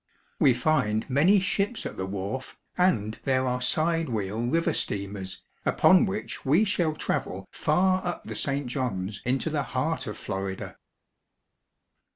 We find many ships at the wharf, and there are side wheel river steamers, upon which we shall travel far up the St. Johns into the heart of Florida.